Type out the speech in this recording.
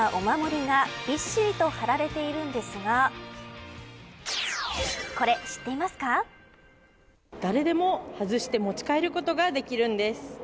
よく見ると小さなお守りがびっしりと貼られているんですが誰でも外して持ち帰ることができるんです。